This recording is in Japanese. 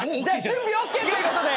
準備ＯＫということで。